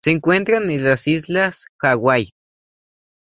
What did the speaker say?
Se encuentran en las islas Hawaii.